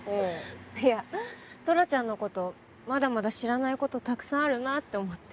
いやトラちゃんの事まだまだ知らない事たくさんあるなって思って。